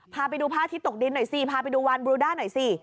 พาไปดูพระอาทิตย์ตกดินหน่อยสิพาไปดูวานบรูด้าหน่อยสิ